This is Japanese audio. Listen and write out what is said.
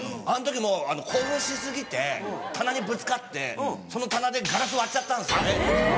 あの時もう興奮し過ぎて棚にぶつかってその棚でガラス割っちゃったんですよね。